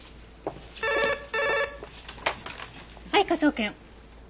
はい科捜研。